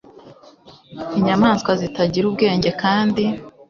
Inyamaswa zitagira ubwenge kandi